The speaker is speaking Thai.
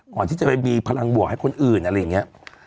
ก่อนที่จะไปมีพลังบวกให้คนอื่นอะไรอย่างนี้